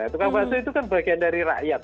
tukang bakso itu kan bagian dari rakyat